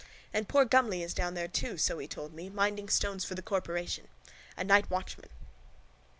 —And poor Gumley is down there too, so he told me, minding stones for the corporation. A night watchman.